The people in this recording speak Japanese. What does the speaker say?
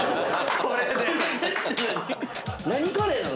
何カレーなの？